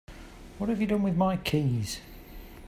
What have you done with my keys?